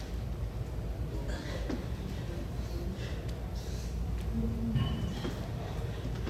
People were there to enjoy canoeing and other recreation for the Independence Day weekend.